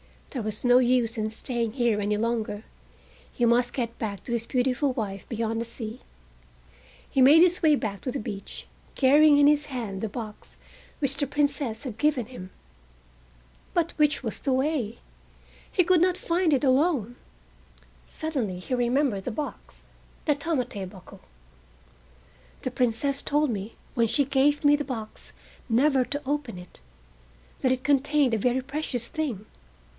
There was no use in staying here any longer. He must get back to his beautiful wife beyond the sea. He made his way back to the beach, carrying in his hand the box which the Princess had given him. But which was the way? He could not find it alone! Suddenly he remembered the box, the tamate bako. "The Princess told me when she gave me the box never to open it—that it contained a very precious thing.